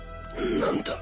何だ？